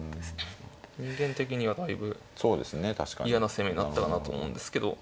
人間的にはだいぶ嫌な攻めだったかなと思うんですけど。